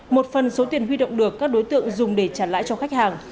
một phần số tiền huy động được các đối tượng dùng để trả lãi cho khách hàng